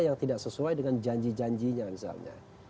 yang tidak sesuai dengan janji janjinya misalnya